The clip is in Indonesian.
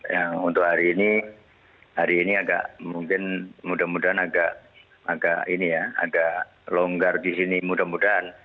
yang untuk hari ini hari ini agak mungkin mudah mudahan agak ini ya agak longgar di sini mudah mudahan